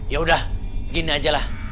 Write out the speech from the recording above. ya udah gini aja lah